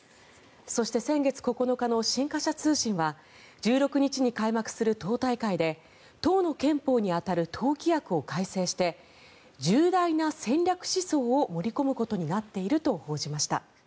そして、先月９日の新華社通信は１６日に開幕する党大会で党の憲法に当たる党規約を改正して重大な戦略思想を盛り込むことになっていると報じました。